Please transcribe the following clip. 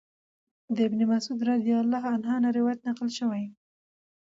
د ابن مسعود رضی الله عنه نه روايت نقل شوی